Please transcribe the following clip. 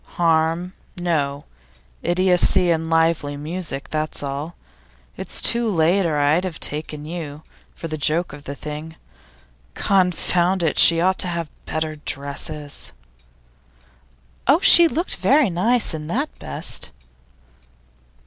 'Harm, no. Idiocy and lively music, that's all. It's too late, or I'd have taken you, for the joke of the thing. Confound it! she ought to have better dresses.' 'Oh, she looked very nice, in that best.